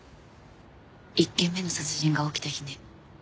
１件目の殺人が起きた日ね。